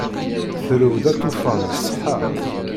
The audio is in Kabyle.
Turew-d aṭufan iṣeḥḥa.